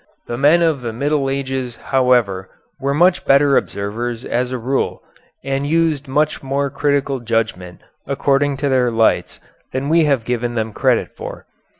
The men of the Middle Ages, however, were much better observers as a rule, and used much more critical judgment, according to their lights, than we have given them credit for.